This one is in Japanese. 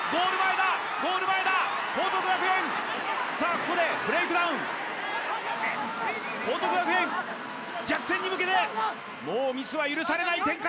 ここでブレイクダウン報徳学園逆転に向けてもうミスは許されない展開